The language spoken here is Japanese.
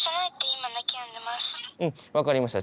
うん分かりました。